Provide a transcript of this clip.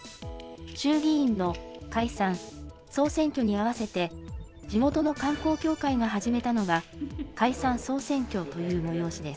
衆議院の解散・総選挙に合わせて、地元の観光協会が始めたのが、海産総選挙という催しです。